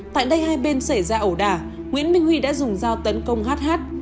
tại đây hai bên xảy ra ổ đà nguyễn minh huy đã dùng dao tấn công hát hát